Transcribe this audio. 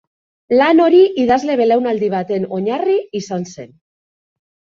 Lan hori idazle-belaunaldi baten oinarri izan zen.